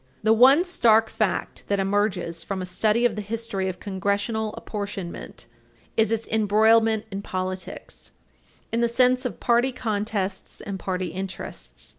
The one stark fact that emerges from a study of the history of Congressional apportionment is its embroilment in politics, in the sense of party contests and party interests.